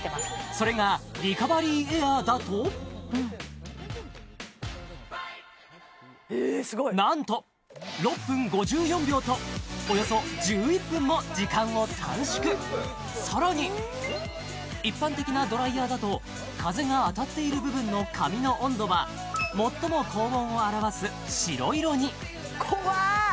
それがリカバリーエアーだとええすごい！何と６分５４秒とおよそ１１分も時間を短縮さらに一般的なドライヤーだと風が当たっている部分の髪の温度は最も高温を表す白色に怖っ！